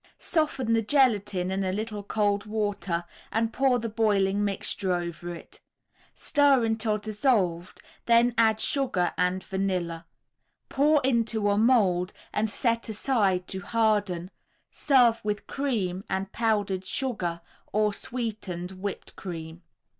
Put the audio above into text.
Soften the gelatine in a little cold water and pour the boiling mixture over it. Stir until dissolved, then add sugar and vanilla. Pour into a mould and set aside to harden, serve with cream and powdered sugar or sweetened whipped cream.